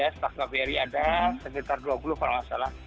staf kpri ada sekitar dua puluh kalau tidak salah